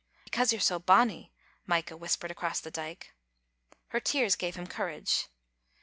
"Because you're so bonny," Micah whispered across the dyke. Her tears gave him courage.